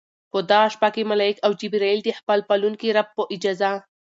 په دغه شپه کې ملائک او جبريل د خپل پالونکي رب په اجازه